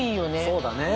そうだね。